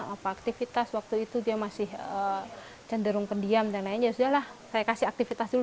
apa aktivitas waktu itu dia masih cenderung pendiam dan lain ya sudah lah saya kasih aktivitas dulu